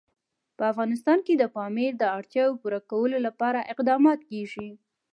په افغانستان کې د پامیر د اړتیاوو پوره کولو لپاره اقدامات کېږي.